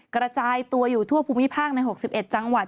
กระจายตัวอยู่ทั่วภูมิภาคใน๖๑จังหวัด